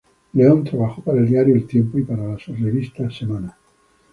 León trabajó para el diario "El Tiempo" y para la revista "Semana".